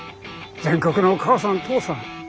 全国のお母さんお父さん